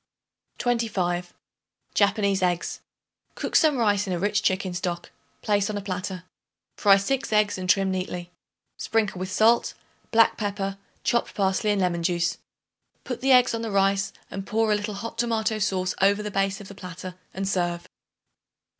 25. Japanese Eggs. Cook some rice in a rich chicken stock; place on a platter. Fry 6 eggs and trim neatly; sprinkle with salt, black pepper, chopped parsley and lemon juice. Put the eggs on the rice and pour a little hot tomato sauce over the base of the platter and serve.